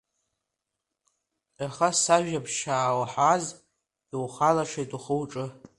Аха сажәабжь шаауаҳаз, иухалашеит ухы-уҿы.